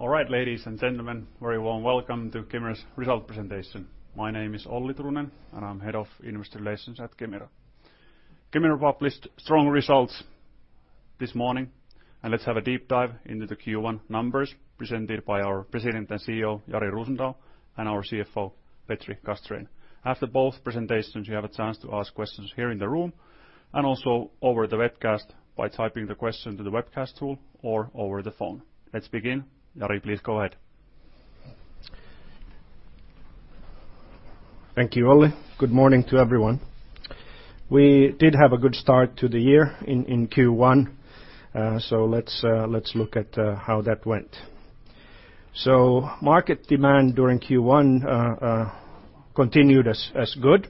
All right, ladies and gentlemen, a very warm welcome to Kemira's results presentation. My name is Olli Turunen, and I'm Head of Investor Relations at Kemira. Kemira published strong results this morning. Let's have a deep dive into the Q1 numbers presented by our President and CEO, Jari Rosendal, and our CFO, Petri Castrén. After both presentations, you have a chance to ask questions here in the room and also over the webcast by typing the question to the webcast tool or over the phone. Let's begin. Jari, please go ahead. Thank you, Olli. Good morning to everyone. We did have a good start to the year in Q1. Let's look at how that went. Market demand during Q1 continued as good.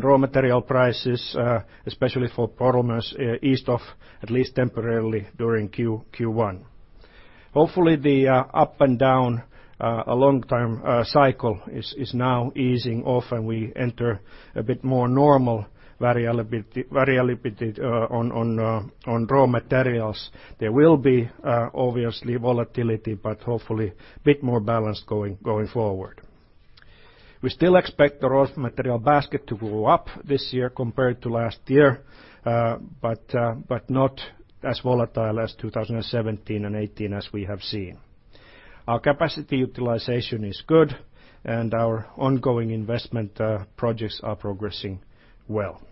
Raw material prices especially for polymers, eased off at least temporarily during Q1. Hopefully, the up and down long-term cycle is now easing off, and we enter a bit more normal variability on raw materials. There will be obviously volatility, but hopefully a bit more balance going forward. We still expect the raw material basket to go up this year compared to last year, but not as volatile as 2017 and 2018 as we have seen. Our capacity utilization is good, and our ongoing investment projects are progressing well.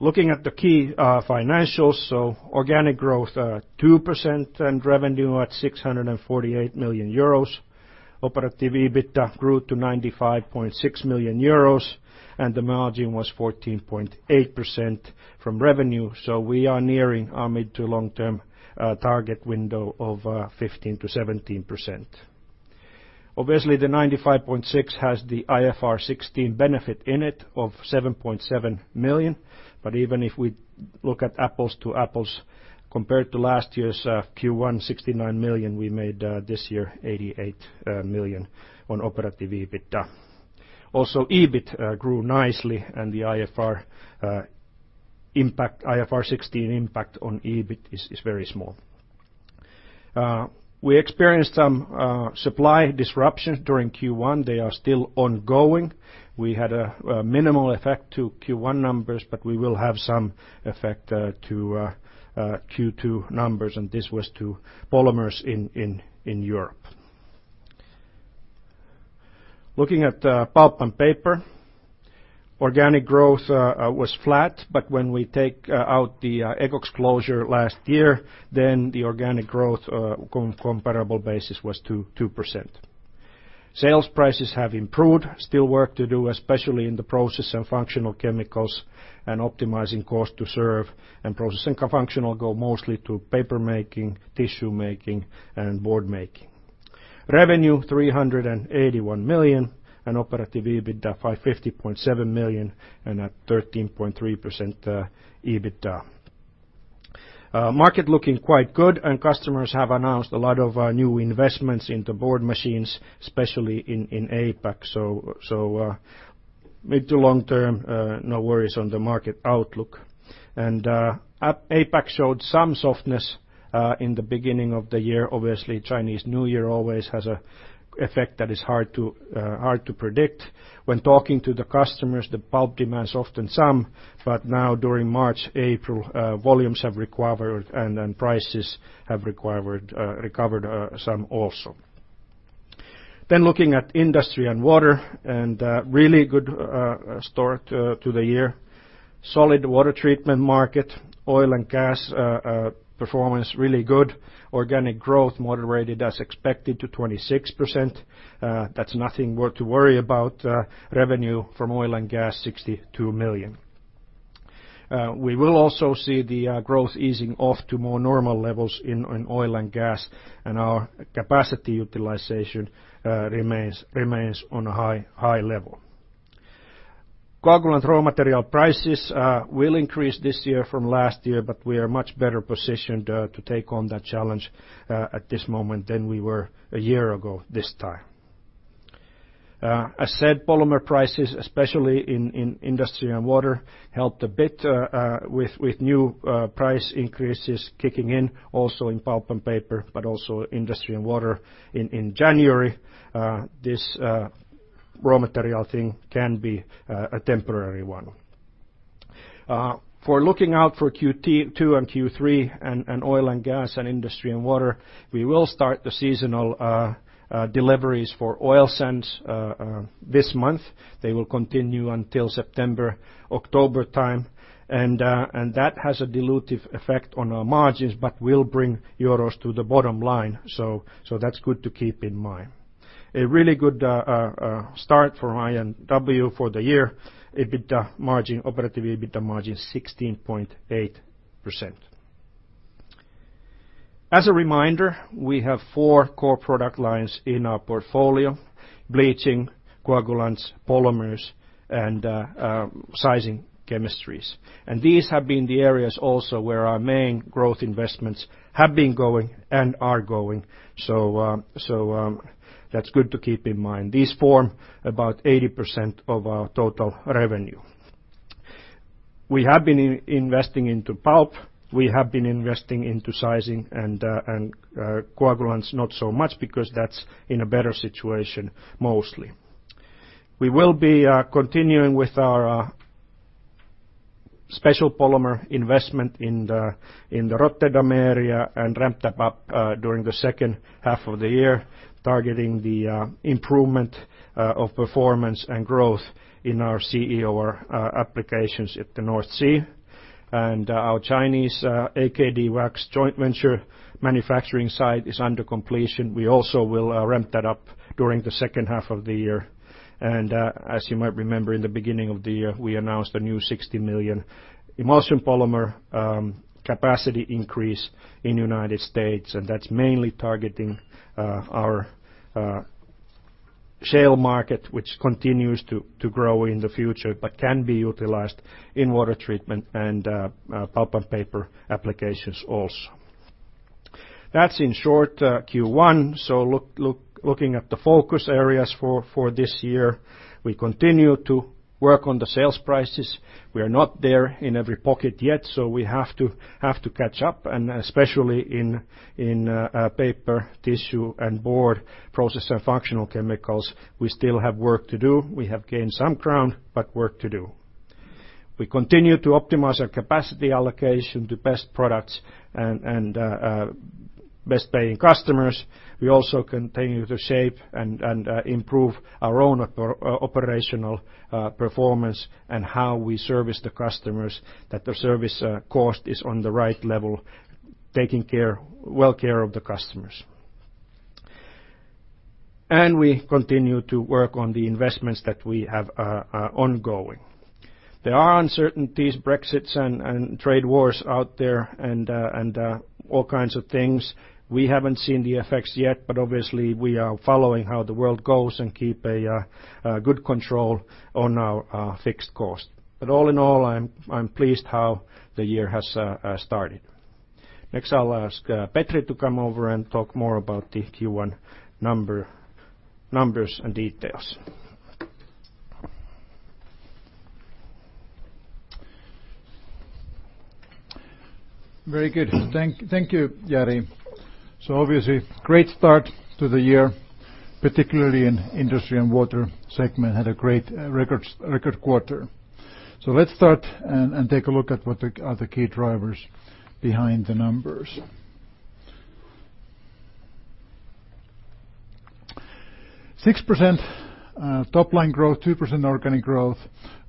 Looking at the key financials, organic growth 2% and revenue at 648 million euros. Operative EBITDA grew to 95.6 million euros and the margin was 14.8% from revenue. We are nearing our mid-to-long-term target window of 15%-17%. Also, the 95.6 million has the IFRS 16 benefit in it of 7.7 million, but even if we look at apples to apples compared to last year's Q1 69 million, we made this year 88 million on Operative EBITDA. Also, EBIT grew nicely and the IFRS 16 impact on EBIT is very small. We experienced some supply disruptions during Q1. They are still ongoing. We had a minimal effect to Q1 numbers, but we will have some effect to Q2 numbers, and this was to polymers in Europe. Looking at pulp and paper, organic growth was flat, but when we take out the Ekox closure last year, the organic growth comparable basis was 2%. Sales prices have improved. Still work to do, especially in the process and functional chemicals and optimizing cost to serve. Processing functional go mostly to paper-making, tissue-making, and board-making. Revenue 381 million and Operative EBITDA 50.7 million and at 13.3% EBITDA. Market looking quite good and customers have announced a lot of new investments into board machines, especially in APAC. Mid-to-long-term, no worries on the market outlook. APAC showed some softness in the beginning of the year. Obviously, Chinese New Year always has an effect that is hard to predict. When talking to the customers, the pulp demand is often some, but now during March, April, volumes have recovered and prices have recovered some also. Looking at industry and water, really good start to the year. Solid water treatment market. Oil and gas performance really good. Organic growth moderated as expected to 26%. That's nothing to worry about. Revenue from oil and gas, 62 million. We will also see the growth easing off to more normal levels in oil and gas. Our capacity utilization remains on a high level. Coagulant raw material prices will increase this year from last year. We are much better positioned to take on that challenge at this moment than we were a year ago this time. As said, polymer prices, especially in industry and water, helped a bit with new price increases kicking in, also in pulp and paper, also industry and water in January. This raw material thing can be a temporary one. Looking out for Q2 and Q3 and oil and gas and industry and water, we will start the seasonal deliveries for oil sands this month. They will continue until September, October time. That has a dilutive effect on our margins but will bring EUR to the bottom line. That's good to keep in mind. A really good start for I&W for the year. Operative EBITDA margin 16.8%. As a reminder, we have four core product lines in our portfolio: bleaching, coagulants, polymers, and sizing chemistries. These have been the areas also where our main growth investments have been going and are going. That's good to keep in mind. These form about 80% of our total revenue. We have been investing into pulp. We have been investing into sizing and coagulants not so much because that's in a better situation mostly. We will be continuing with our special polymer investment in the Rotterdam area and ramp that up during the second half of the year, targeting the improvement of performance and growth in our CEOR applications at the North Sea. Our Chinese AKD wax joint venture manufacturing site is under completion. We also will ramp that up during the second half of the year. As you might remember, in the beginning of the year, we announced a new 60 million emulsion polymer capacity increase in U.S., and that's mainly targeting our shale market, which continues to grow in the future but can be utilized in water treatment and pulp and paper applications also. That's in short Q1. Looking at the focus areas for this year, we continue to work on the sales prices. We are not there in every pocket yet. We have to catch up, especially in paper, tissue, and board process and functional chemicals, we still have work to do. We have gained some ground. Work to do. We continue to optimize our capacity allocation to best products and best-paying customers. We also continue to shape and improve our own operational performance and how we service the customers, that the service cost is on the right level, taking well care of the customers. We continue to work on the investments that we have ongoing. There are uncertainties, Brexits and trade wars out there, and all kinds of things. We haven't seen the effects yet. Obviously, we are following how the world goes and keep a good control on our fixed cost. All in all, I'm pleased how the year has started. Next, I'll ask Petri to come over and talk more about the Q1 numbers and details. Very good. Thank you, Jari. Obviously, great start to the year, particularly in Industry & Water segment, had a great record quarter. Let's start and take a look at what are the key drivers behind the numbers. 6% top line growth, 2% organic growth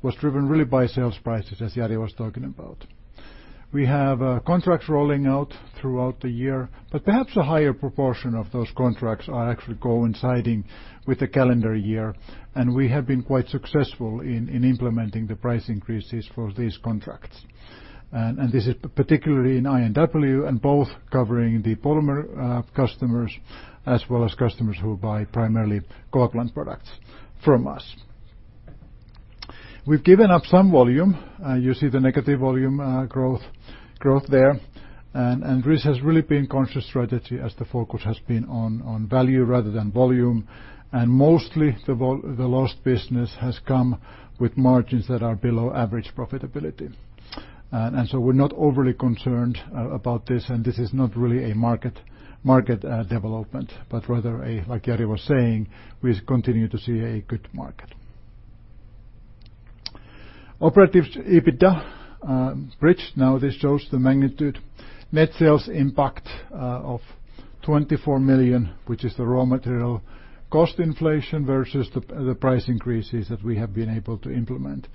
was driven really by sales prices, as Jari was talking about. We have contracts rolling out throughout the year, but perhaps a higher proportion of those contracts are actually coinciding with the calendar year, and we have been quite successful in implementing the price increases for these contracts. This is particularly in I&W and both covering the polymer customers as well as customers who buy primarily coagulant products from us. We've given up some volume. You see the negative volume growth there. This has really been conscious strategy as the focus has been on value rather than volume, and mostly, the lost business has come with margins that are below average profitability. We're not overly concerned about this, and this is not really a market development, but rather, like Jari was saying, we continue to see a good market. Operative EBITDA bridge. This shows the magnitude net sales impact of 24 million, which is the raw material cost inflation versus the price increases that we have been able to implement.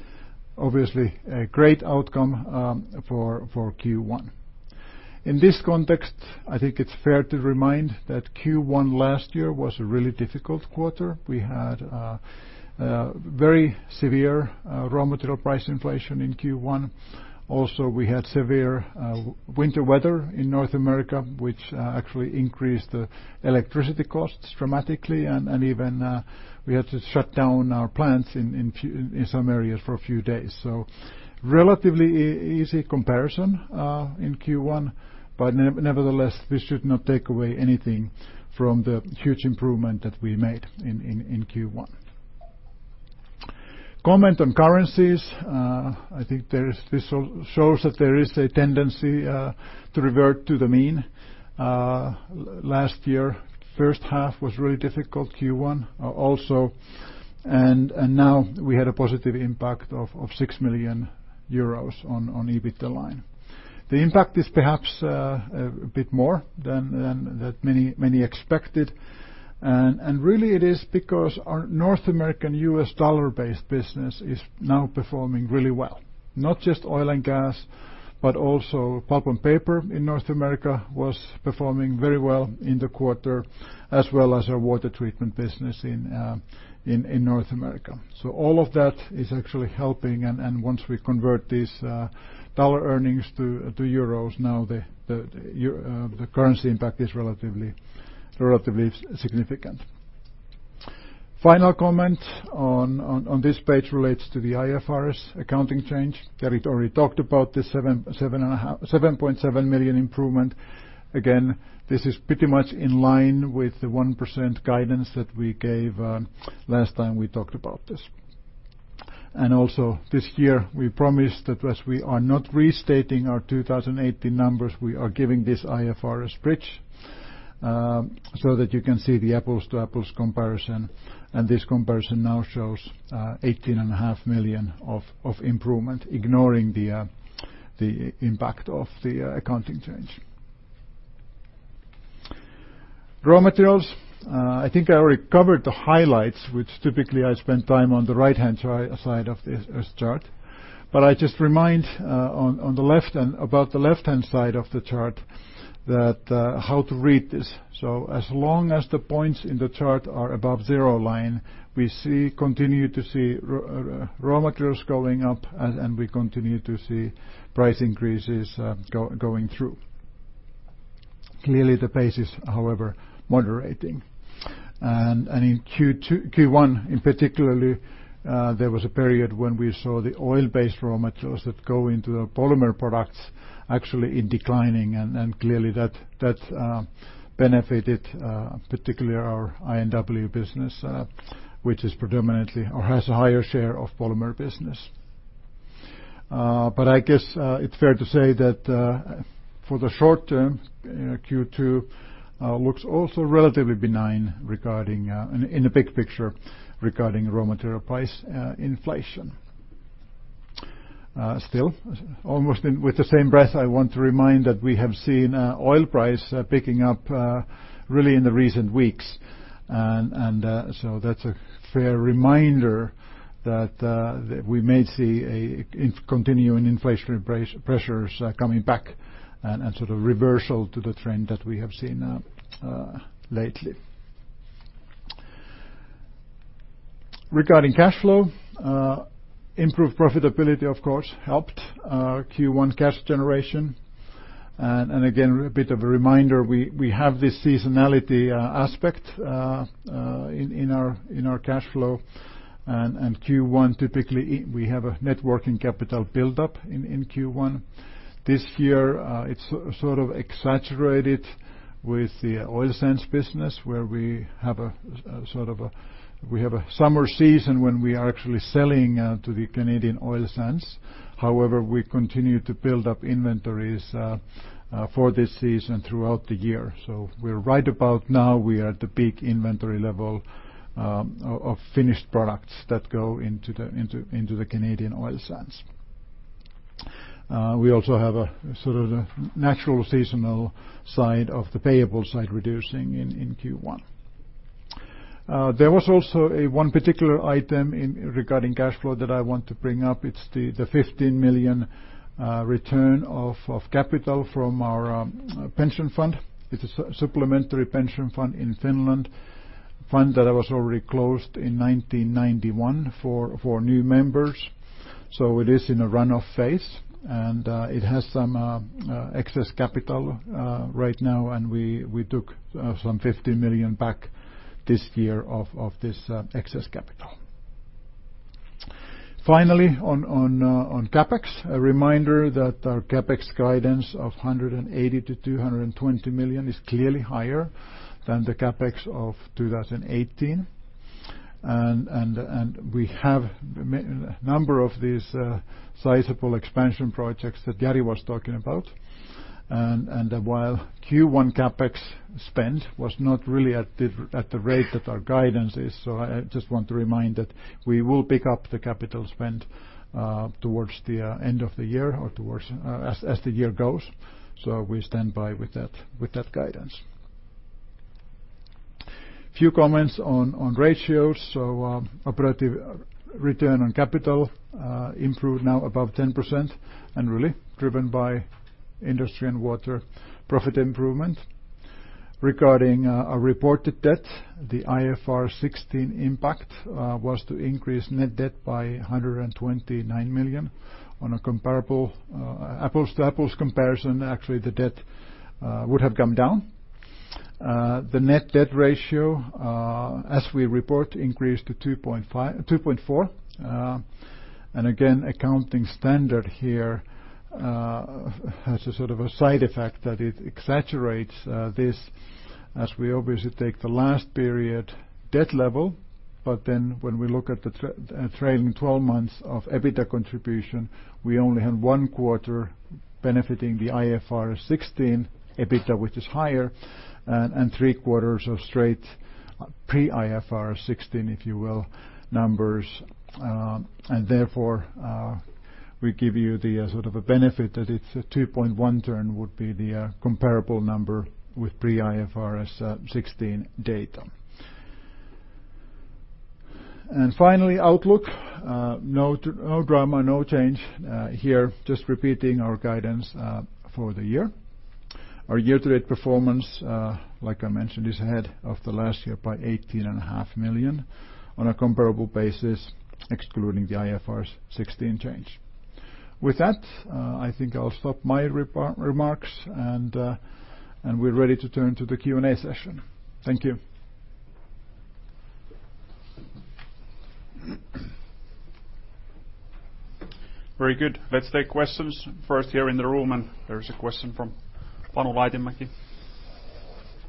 Obviously, a great outcome for Q1. In this context, I think it's fair to remind that Q1 last year was a really difficult quarter. We had very severe raw material price inflation in Q1. Also, we had severe winter weather in North America, which actually increased the electricity costs dramatically, and even we had to shut down our plants in some areas for a few days. Relatively easy comparison in Q1. Nevertheless, this should not take away anything from the huge improvement that we made in Q1. Comment on currencies. I think this shows that there is a tendency to revert to the mean. Last year, first half was really difficult, Q1 also, and now we had a positive impact of 6 million euros on EBITDA line. The impact is perhaps a bit more than many expected. Really it is because our North American U.S. dollar-based business is now performing really well. Not just oil and gas, but also pulp and paper in North America was performing very well in the quarter, as well as our water treatment business in North America. All of that is actually helping, and once we convert these dollar earnings to euros, now the currency impact is relatively significant. Final comment on this page relates to the IFRS accounting change. Jari already talked about this 7.7 million improvement. Again, this is pretty much in line with the 1% guidance that we gave last time we talked about this. Also this year we promised that as we are not restating our 2018 numbers, we are giving this IFRS bridge so that you can see the apples-to-apples comparison. This comparison now shows 18.5 million of improvement, ignoring the impact of the accounting change. Raw materials. I think I already covered the highlights, which typically I spend time on the right-hand side of this chart. I just remind about the left-hand side of the chart that how to read this. As long as the points in the chart are above zero line, we continue to see raw materials going up and we continue to see price increases going through. Clearly the pace is, however, moderating. In Q1 in particular, there was a period when we saw the oil-based raw materials that go into the polymer products actually in declining and clearly that benefited particularly our I&W business, which is predominantly or has a higher share of polymer business. I guess it's fair to say that for the short term, Q2 looks also relatively benign in the big picture regarding raw material price inflation. Still, almost with the same breath, I want to remind that we have seen oil price picking up really in the recent weeks. That's a fair reminder that we may see continuing inflation pressures coming back and a sort of reversal to the trend that we have seen lately. Regarding cash flow, improved profitability of course helped Q1 cash generation. Again, a bit of a reminder, we have this seasonality aspect in our cash flow. Q1, typically we have a net working capital buildup in Q1. This year it's sort of exaggerated with the oil sands business where we have a summer season when we are actually selling to the Canadian oil sands. However, we continue to build up inventories for this season throughout the year. Right about now we are at the peak inventory level of finished products that go into the Canadian oil sands. We also have a natural seasonal side of the payable side reducing in Q1. There was also one particular item regarding cash flow that I want to bring up. It's the 15 million return of capital from our pension fund. It's a supplementary pension fund in Finland, a fund that was already closed in 1991 for new members. It is in a runoff phase and it has some excess capital right now and we took some 15 million back this year of this excess capital. Finally, on CapEx, a reminder that our CapEx guidance of 180 million-220 million is clearly higher than the CapEx of 2018. We have a number of these sizable expansion projects that Jari was talking about. While Q1 CapEx spend was not really at the rate that our guidance is, I just want to remind that we will pick up the capital spend towards the end of the year or as the year goes. We stand by with that guidance. Few comments on ratios. Operative Return on Capital improved now above 10% and really driven by Industry & Water profit improvement. Regarding our reported debt, the IFRS 16 impact was to increase net debt by 129 million on a comparable apples-to-apples comparison, actually the debt would have come down. The net debt ratio, as we report, increased to 2.4. Again, accounting standard here has a sort of a side effect that it exaggerates this as we obviously take the last period debt level. When we look at the trailing 12 months of EBITDA contribution, we only have one quarter benefiting the IFRS 16 EBITDA, which is higher, and three quarters of straight pre-IFRS 16, if you will, numbers. Therefore, we give you the sort of a benefit that it's a 2.1 turn would be the comparable number with pre-IFRS 16 data. Finally, outlook. No drama, no change here, just repeating our guidance for the year. Our year-to-date performance, like I mentioned, is ahead of the last year by 18.5 million on a comparable basis, excluding the IFRS 16 change. With that, I think I'll stop my remarks and we're ready to turn to the Q&A session. Thank you. Very good. Let's take questions first here in the room, there is a question from Panu Laitinmäki.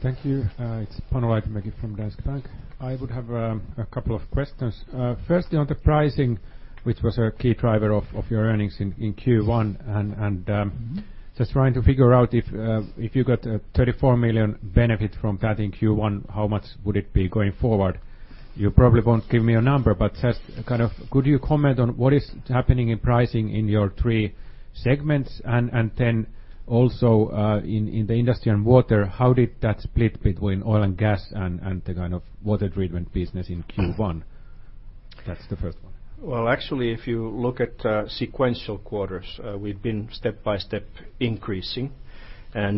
Thank you. It's Panu Laitinmäki from Danske Bank. I would have a couple of questions. Firstly, on the pricing, which was a key driver of your earnings in Q1, just trying to figure out if you got a 34 million benefit from that in Q1, how much would it be going forward? You probably won't give me a number, but could you comment on what is happening in pricing in your three segments? Also in the Industry & Water, how did that split between oil and gas and the kind of water treatment business in Q1? That's the first one. Well, actually, if you look at sequential quarters, we've been step by step increasing. This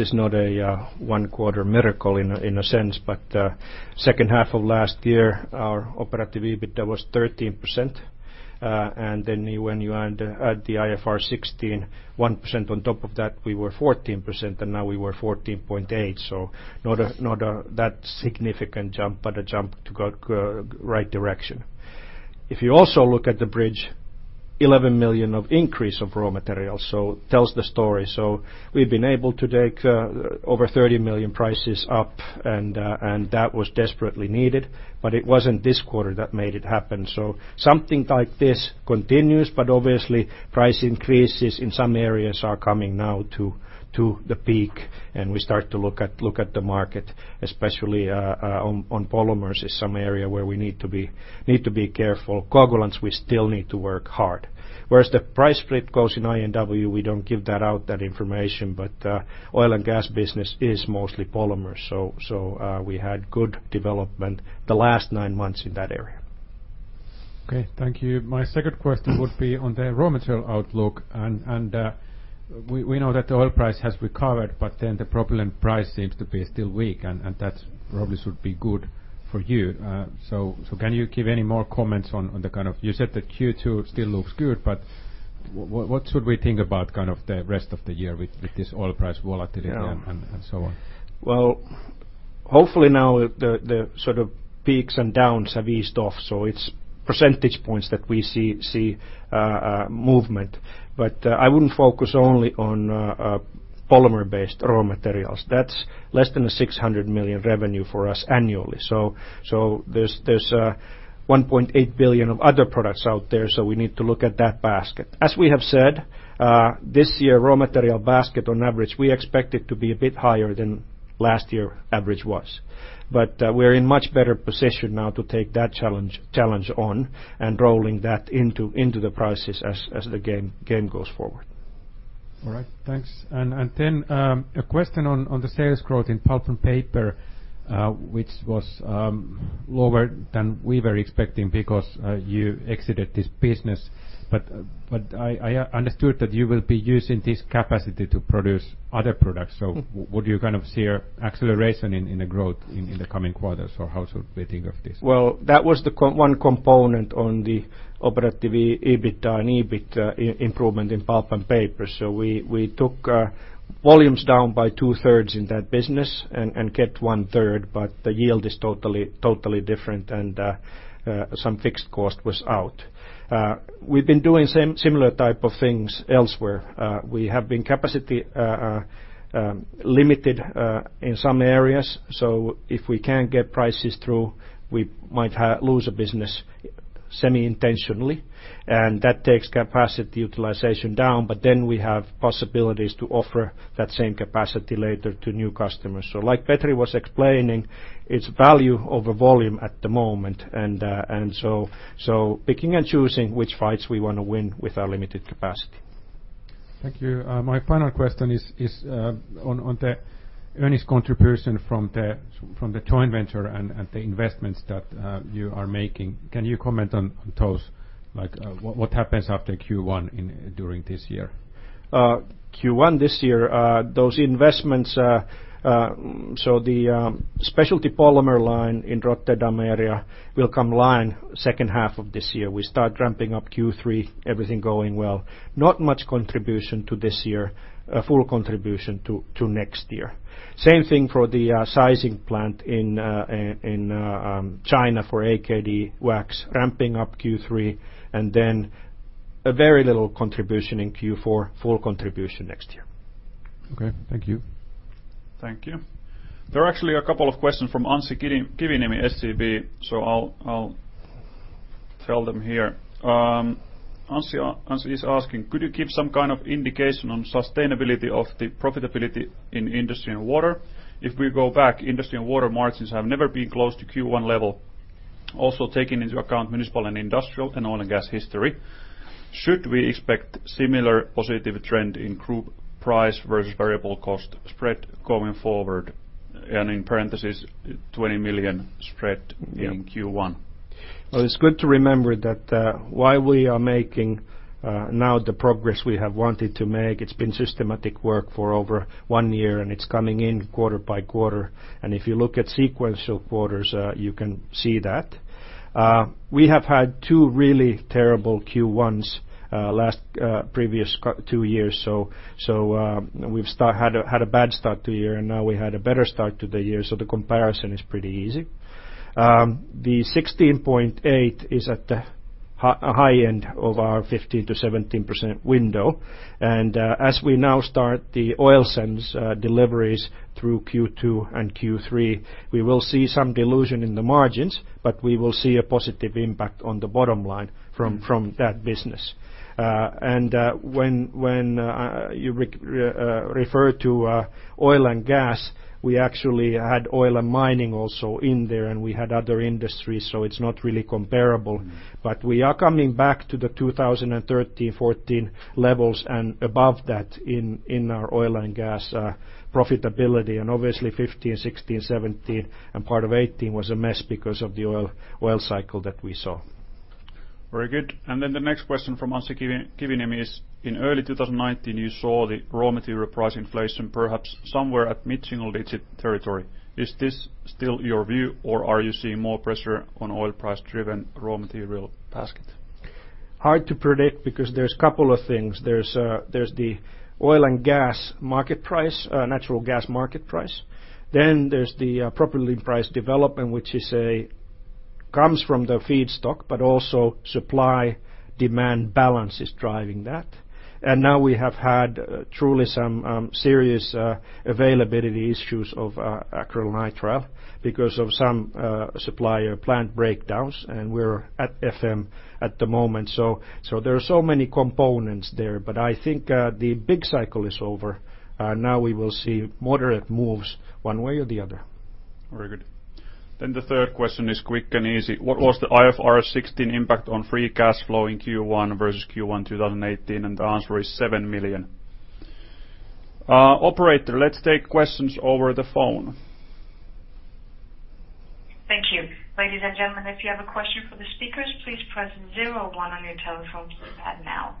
is not a one-quarter miracle in a sense, but second half of last year, our Operative EBITDA was 13%, and then when you add the IFRS 16 1% on top of that, we were 14%, and now we were 14.8%. Not a significant jump, but a jump to right direction. If you also look at the bridge, 11 million of increase of raw materials, tells the story. We've been able to take over 30 million prices up, and that was desperately needed, but it wasn't this quarter that made it happen. Something like this continues, but obviously price increases in some areas are coming now to the peak and we start to look at the market, especially on polymers is some area where we need to be careful. Coagulants, we still need to work hard. Whereas the price split goes in I&W, we don't give that out, that information, but oil and gas business is mostly polymers, we had good development the last nine months in that area. Okay, thank you. My second question would be on the raw material outlook, we know that the oil price has recovered, the propylene price seems to be still weak, that probably should be good for you. Can you give any more comments on the kind of You said that Q2 still looks good, what should we think about kind of the rest of the year with this oil price volatility and so on? Well, hopefully now the sort of peaks and downs have eased off. It's percentage points that we see movement, but I wouldn't focus only on polymer-based raw materials. That's less than a 600 million revenue for us annually. There's 1.8 billion of other products out there, we need to look at that basket. As we have said, this year raw material basket on average, we expect it to be a bit higher than last year average was. We're in much better position now to take that challenge on and rolling that into the prices as the game goes forward. All right, thanks. A question on the sales growth in pulp and paper, which was lower than we were expecting because you exited this business. I understood that you will be using this capacity to produce other products. Would you kind of see acceleration in the growth in the coming quarters, or how should we think of this? Well, that was the one component on the operative EBIT and EBIT improvement in pulp and paper. We took volumes down by two-thirds in that business and kept one-third, the yield is totally different and some fixed cost was out. We've been doing similar type of things elsewhere. We have been capacity limited in some areas, if we can't get prices through, we might lose a business semi-intentionally, that takes capacity utilization down, then we have possibilities to offer that same capacity later to new customers. Like Petri was explaining, it's value over volume at the moment, picking and choosing which fights we want to win with our limited capacity. Thank you. My final question is on the earnings contribution from the joint venture and the investments that you are making. Can you comment on those? Like what happens after Q1 during this year? Q1 this year, those investments the specialty polymer line in Rotterdam area will come line second half of this year. We start ramping up Q3, everything going well. Not much contribution to this year, full contribution to next year. Same thing for the sizing plant in China for AKD Wax ramping up Q3, a very little contribution in Q4, full contribution next year. Okay. Thank you. Thank you. There are actually a couple of questions from Anssi Kiviniemi, SEB, so I'll tell them here. Anssi is asking, could you give some kind of indication on sustainability of the profitability in Industry & Water? If we go back, Industry & Water margins have never been close to Q1 level. Also taking into account municipal and industrial and oil and gas history. Should we expect similar positive trend in group price versus variable cost spread going forward? In parenthesis, 20 million spread in Q1. Well, it's good to remember that while we are making now the progress we have wanted to make, it's been systematic work for over one year, and it's coming in quarter by quarter, and if you look at sequential quarters, you can see that. We have had two really terrible Q1s previous two years. We've had a bad start to year, and now we had a better start to the year, so the comparison is pretty easy. The 16.8% is at the high end of our 15%-17% window. As we now start the oil sands deliveries through Q2 and Q3, we will see some dilution in the margins, but we will see a positive impact on the bottom line from that business. When you refer to oil and gas, we actually had oil and mining also in there, and we had other industries, so it's not really comparable. We are coming back to the 2013, 2014 levels and above that in our oil and gas profitability. Obviously, 2015, 2016, 2017 and part of 2018 was a mess because of the oil cycle that we saw. Very good. Then the next question from Anssi Kiviniemi is: In early 2019, you saw the raw material price inflation perhaps somewhere at mid-single-digit territory. Is this still your view, or are you seeing more pressure on oil price-driven raw material basket? Hard to predict because there's a couple of things. There's the oil and gas market price, natural gas market price. Then there's the propylene price development, which comes from the feedstock, but also supply-demand balance is driving that. Now we have had truly some serious availability issues of acrylonitrile because of some supplier plant breakdowns, and we're at FM at the moment. So there are so many components there. I think the big cycle is over. Now we will see moderate moves one way or the other. Very good. Then the third question is quick and easy. What was the IFRS 16 impact on free cash flow in Q1 versus Q1 2018? And the answer is 7 million. Operator, let's take questions over the phone. Thank you. Ladies and gentlemen, if you have a question for the speakers, please press 01 on your telephone keypad now.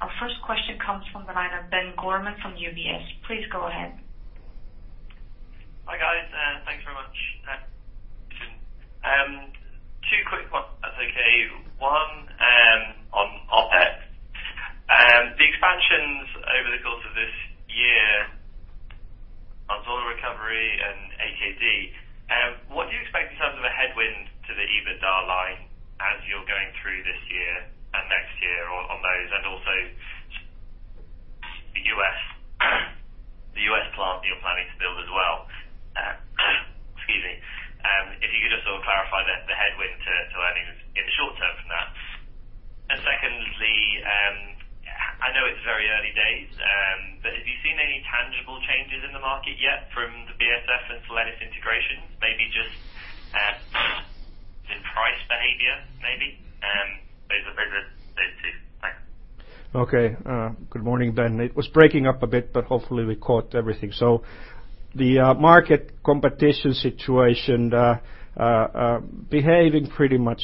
Our first question comes from the line of Ben Gorman from UBS. Please go ahead. Hi, guys. Thanks very much. Two quick ones, if that's okay. One on OpEx. The expansions over behaving pretty much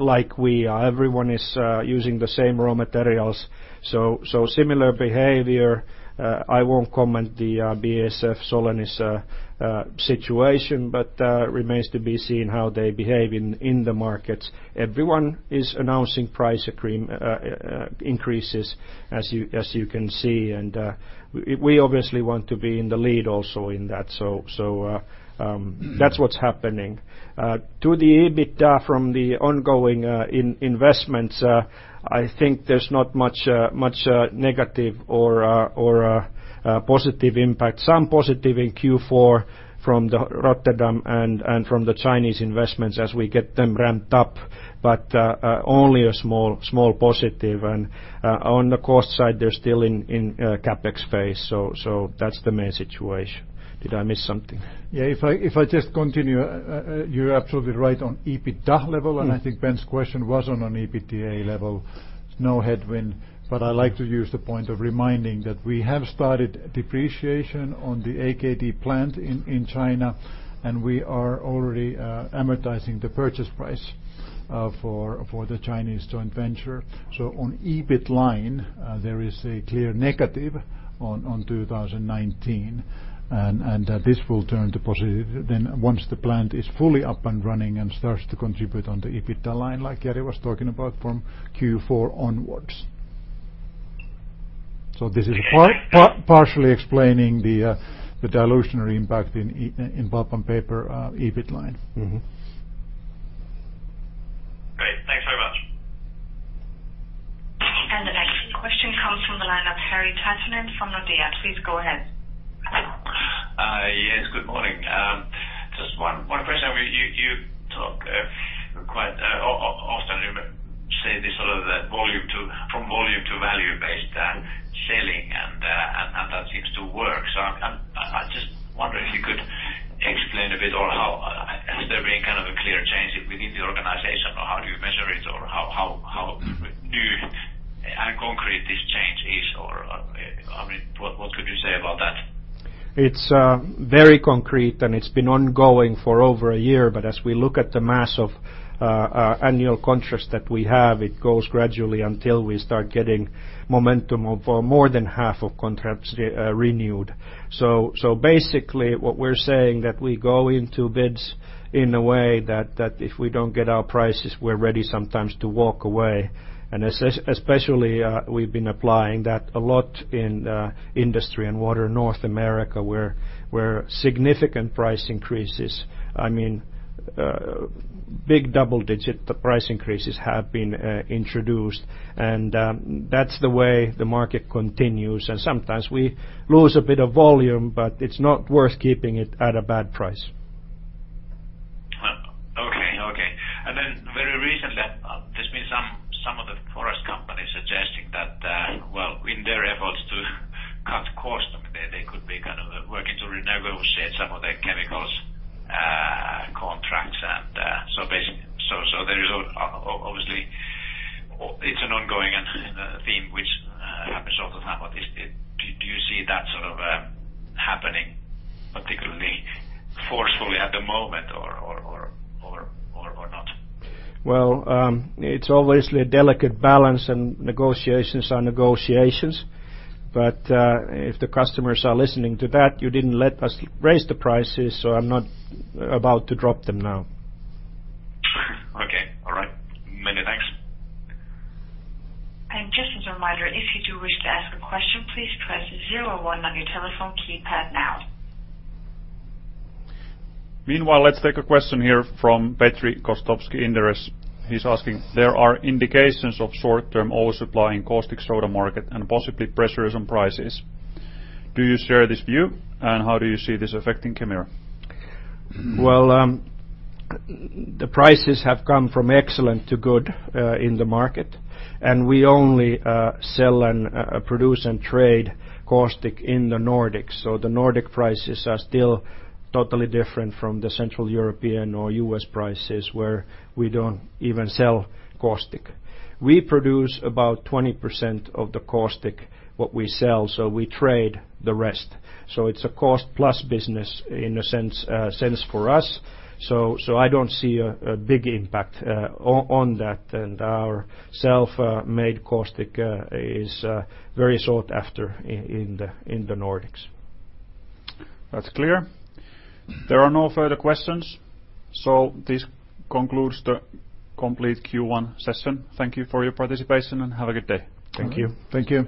like we are. Everyone is using the same raw materials. Similar behavior. I will not comment the BASF Solenis situation, but remains to be seen how they behave in the markets. Everyone is announcing price increases, as you can see. We obviously want to be in the lead also in that. That's what's happening. To the EBITDA from the ongoing investments, I think there's not much negative or a positive impact. Some positive in Q4 from the Rotterdam and from the Chinese investments as we get them ramped up, only a small positive. On the cost side, they're still in CapEx phase. That's the main situation. Did I miss something? Yeah, if I just continue, you're absolutely right on EBITDA level. I think Ben's question wasn't on EBITDA level, no headwind. I like to use the point of reminding that we have started depreciation on the AKD plant in China. We are already amortizing the purchase price for the Chinese joint venture. On EBIT line, there is a clear negative on 2019. This will turn to positive then once the plant is fully up and running and starts to contribute on the EBITDA line, like Jari was talking about from Q4 onwards. This is partially explaining the dilutionary impact in Pulp and Paper EBIT line. Great. Thanks very much. The next question comes from the line of Harri Taittonen from Nordea. Please go ahead. Yes, good morning. Just one question. You talk quite often, you say this from volume to value based and selling, and that seems to work. I'm just wondering if you could explain a bit on how, has there been kind of a clear change within the organization, or how do you measure it, or how new and concrete this change is? What could you say about that? It's very concrete, and it's been ongoing for over a year. As we look at the mass of annual contracts that we have, it goes gradually until we start getting momentum of more than half of contracts renewed. Basically, what we're saying that we go into bids in a way that if we don't get our prices, we're ready sometimes to walk away. Especially, we've been applying that a lot in Industry and Water in North America, where significant price increases, I mean Big double-digit price increases have been introduced. That's the way the market continues, and sometimes we lose a bit of volume, but it's not worth keeping it at a bad price. Okay. Very recently, there's been some of the forest companies suggesting that, in their efforts to cut costs, they could be working to renegotiate some of their chemicals contracts. Obviously, it's an ongoing theme which happens all the time. Do you see that sort of happening particularly forcefully at the moment or not? Well, it's obviously a delicate balance, and negotiations are negotiations. If the customers are listening to that, you didn't let us raise the prices, I'm not about to drop them now. Okay. All right. Many thanks. Just as a reminder, if you do wish to ask a question, please press 01 on your telephone keypad now. Meanwhile, let's take a question here from Petri Gostowski, Inderes. He's asking, "There are indications of short-term oversupply in caustic soda market and possibly pressures on prices. Do you share this view, and how do you see this affecting Kemira? Well, the prices have gone from excellent to good in the market. We only sell and produce and trade caustic in the Nordics. The Nordic prices are still totally different from the Central European or U.S. prices, where we don't even sell caustic. We produce about 20% of the caustic, what we sell, we trade the rest. It's a cost-plus business in a sense for us. I don't see a big impact on that. Our self-made caustic is very sought after in the Nordics. That's clear. There are no further questions. This concludes the complete Q1 session. Thank you for your participation, and have a good day. Thank you. Thank you.